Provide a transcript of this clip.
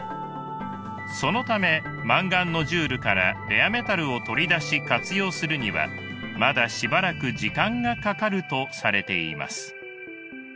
そのためマンガンノジュールからレアメタルを取り出し活用するにはまだしばらく時間がかかるとされています。